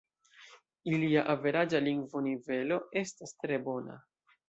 Ilia averaĝa lingvonivelo estas tre bona.